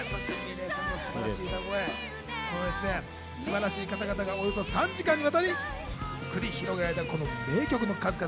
素晴らしい方々がおよそ３時間にわたり繰り広げられたこの名曲の数々。